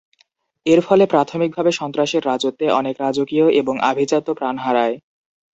এর ফলে প্রাথমিকভাবে সন্ত্রাসের রাজত্বে অনেক রাজকীয় এবং আভিজাত্য প্রাণ হারায়।